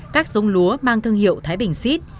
các giống lúa mang thương hiệu thái bình xít